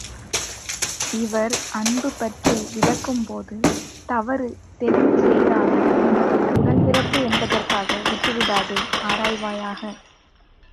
இவர் அன்பு பற்றி விளக்கும் போது, தவறு தெரிந்து செய்தாலும், உனது உடன் பிறப்பு என்பதற்காக விட்டுவிடாதே, ஆராய்வாயாக!